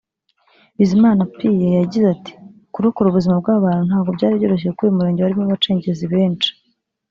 Bizimana Pie yagize ati “Kurokora ubuzima bw’aba bantu ntabwo byari byoroshye kuko uyu murenge warimo abacengezi benshi